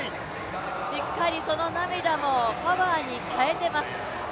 しっかりその涙もパワーに変えてます。